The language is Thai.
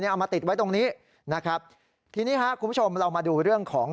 เอามาติดไว้ตรงนี้นะครับทีนี้ฮะคุณผู้ชมเรามาดูเรื่องของ